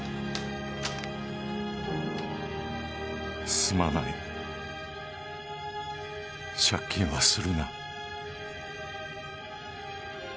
「すまない借金はするな」。